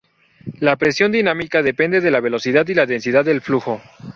La presión dinámica depende de la velocidad y la densidad del fluido.